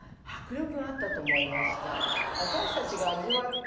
私たちが味わった。